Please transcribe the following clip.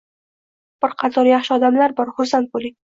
Bir qator yaxshi odamlar bor - xursand bo'ling.